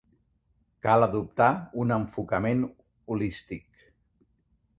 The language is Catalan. Cal adoptar un enfocament holístic.